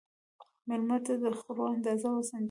مېلمه ته د خوړو اندازه وسنجوه.